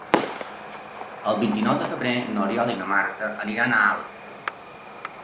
El vint-i-nou de febrer n'Oriol i na Marta aniran a Alp.